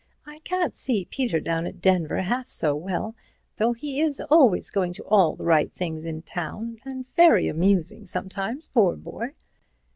I can't see Peter down at Denver half so well, though he is always going to all the right things in town, and very amusing sometimes, poor boy."